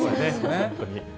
本当に。